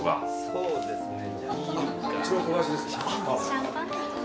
そうですね。